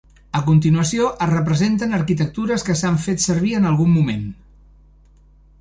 A continuació es representen arquitectures que s'han fet servir en algun moment.